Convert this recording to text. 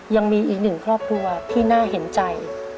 ยังมีอีกหนึ่งครอบครัวที่น่าเห็นใจ